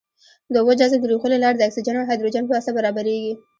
د اوبو جذب د ریښو له لارې د اکسیجن او هایدروجن په واسطه برابریږي.